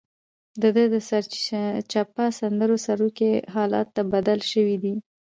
دده د سرچپه سندرې سروکي حالاتو ته بدل شوي دي.